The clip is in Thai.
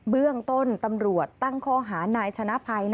เบื้องต้นตำรวจตั้งข้อหานายชนะภัย